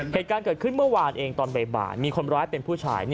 เหตุการณ์เกิดขึ้นเมื่อวานเองตอนบ่ายมีคนร้ายเป็นผู้ชาย